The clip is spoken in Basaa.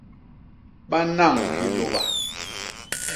Banañ hilôba.